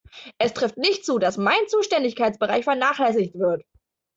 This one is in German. Es trifft nicht zu, dass mein Zuständigkeitsbereich vernachlässigt wird.